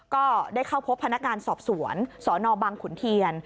ก็ได้เข้าพบพนักงานสอบสวนสนบังขุนเทียน